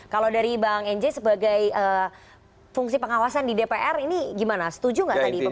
kalau dari bang nj sebagai fungsi pengawasan di dpr ini gimana setuju nggak tadi